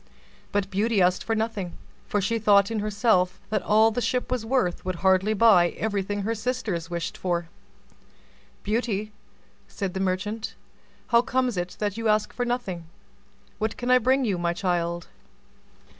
But Beauty asked for nothing; for she thought in herself that all the Ship was worth would hardly buy everything her sisters wished for. "Beauty," said the merchant, "how comes it that you ask for nothing: what can I bring you, my child?"